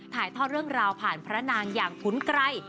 ถ่ายทอดเรื่องราวผ่านพระนางอย่างขุนไกร